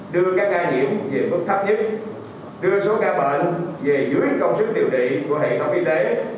đưa các ca nhiễm về mức thấp nhất đưa số ca bệnh về dưới công sức điều trị của hệ thống y tế